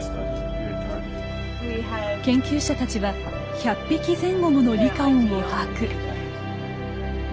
研究者たちは１００匹前後ものリカオンを把握。